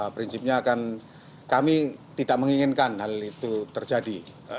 prinsipnya kan kami tidak menginginkan hal itu terjadi